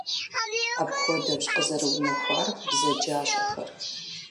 Апхуэдэущ къызэрыунэхур бзаджащӀэхэр.